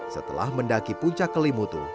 setelah mendaki puncak kelimutu